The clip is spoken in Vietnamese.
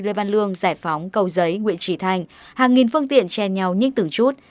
lê văn lương giải phóng cầu giấy nguyễn trì thành hàng nghìn phương tiện chen nhau nhích từng chút